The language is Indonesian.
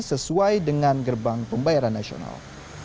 sesuai dengan gerbang pembayaran nasional